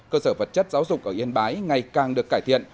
cơ sở vật chất giáo dục ở yên bái ngày càng được cải thiện